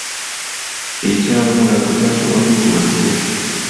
Ekyalo Mulago kyasooka kuyitibwa kitya?